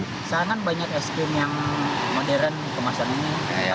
sedangkan banyak es krim yang modern kemasannya